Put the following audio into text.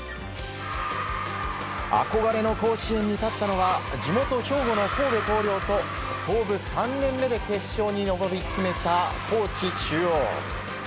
憧れの甲子園に立ったのは地元・神戸の神戸弘陵と創部３年目で決勝に上り詰めた高知中央。